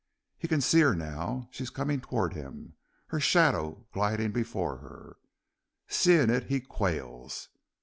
He can see her now. She is coming towards him, her shadow gliding before her. Seeing it he quails.